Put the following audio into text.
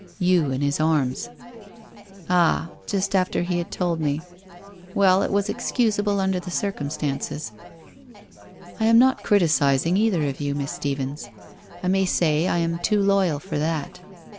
' You in his arms.' ' Ali, just after he had told me Well, it was excus able, under the circumstanci ' I am not criticizing either of you. Miss Stephens. I may say I am too loyal for that.'